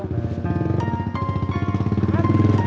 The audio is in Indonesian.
ganti aja disitu aja